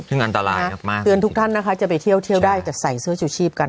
ซึ่งอันตรายมากเตือนทุกท่านนะคะจะไปเที่ยวเที่ยวได้แต่ใส่เสื้อชูชีพกัน